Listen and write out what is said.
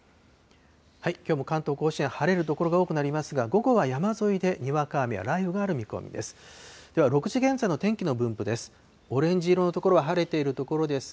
きょうも関東甲信、晴れる所が多くなりますが、午後は山沿いでにわか雨や雷雨がある見込みです。